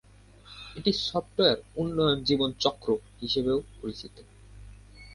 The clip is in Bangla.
এটি সফটওয়্যার উন্নয়ন জীবনচক্র হিসেবেও পরিচিত।